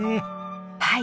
はい。